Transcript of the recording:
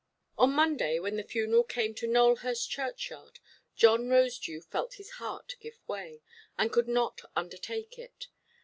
On Monday, when the funeral came to Nowelhurst churchyard, John Rosedew felt his heart give way, and could not undertake it.